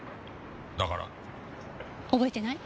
だから？覚えてない？